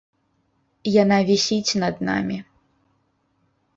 Яна вісіць над намі.